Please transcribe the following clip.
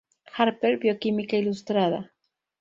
Harper, Bioquímica Ilustrada.